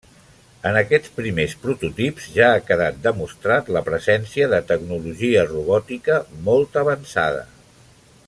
En aquests primers prototips ja ha quedat demostrat la presència de tecnologia robòtica molt avançada.